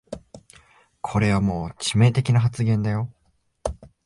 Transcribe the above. これはもう致命的な発言だよ